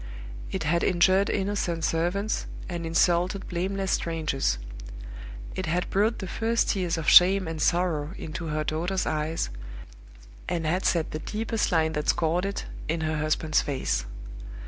It had injured innocent servants, and insulted blameless strangers. It had brought the first tears of shame and sorrow into her daughter's eyes, and had set the deepest lines that scored it in her husband's face.